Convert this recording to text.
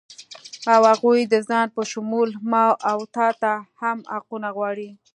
او هغوی د ځان په شمول ما و تاته هم حقونه غواړي